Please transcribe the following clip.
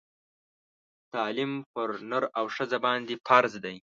تعلیم پر نر او ښځه باندي فرض دی